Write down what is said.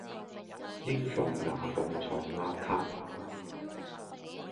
應防牙縫藏邋遢